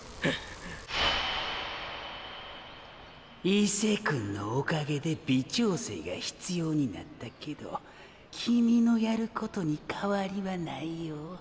井瀬くぅんのおかげで微調整が必要になったけどキミのやることに変わりはないよ。